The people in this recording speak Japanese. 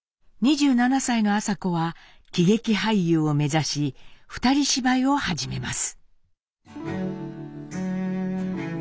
２７歳の麻子は喜劇俳優を目指し二人芝居を始めます。